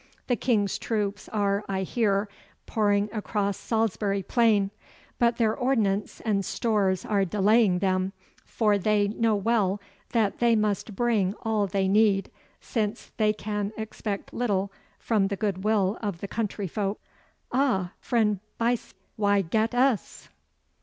The King's troops are, I hear, pouring across Salisbury Plain, but their ordnance and stores are delaying them, for they know well that they must bring all they need, since they can expect little from the goodwill of the country folk. Ah, friend Buyse, wie geht es?